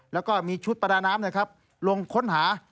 แล้วก็มีชุดประดาน้ำลงค้นหา